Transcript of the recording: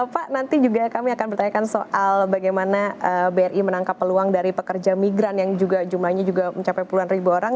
pak nanti juga kami akan bertanyakan soal bagaimana bri menangkap peluang dari pekerja migran yang juga jumlahnya juga mencapai puluhan ribu orang